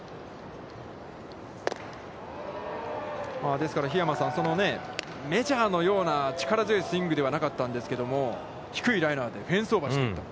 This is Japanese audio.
ですから、桧山さん、メジャーのような力強いスイングではなかったんですけど低いライナーで、フェンスオーバーしていった。